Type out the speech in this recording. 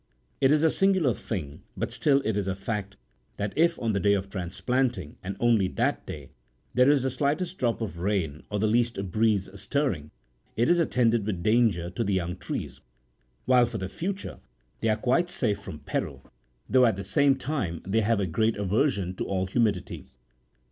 It is a singular thing, but still it is a fact, that if, on the day of transplanting, and only that day, there is the slightest drop of rain or the least breeze stirring, it is attended with danger51 to the young trees ; while for the future they are quite safe from peril, though at the same time they have a great aversion to all humidity.